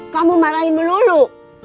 kamu marahin lu lulu